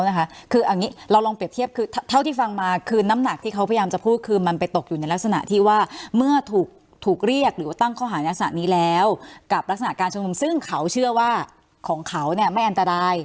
คืออย่างนี้เราลองเปรียบเทียบคือเท่าที่ฟังมาคือน้ำหนักที่เขาพยายามจะพูดคือมันไปตกอยู่ในลักษณะที่ว่าเมื่อถูกเรียกหรือว่าตั้งข้อหารักษณะนี้แล้วกับลักษณะการชุมนุมซึ่งเขาเชื่อว่าของเขาไม่อันตราย